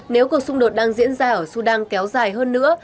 nếu cuộc xung đột đang diễn ra ở sudan kéo dài hơn nữa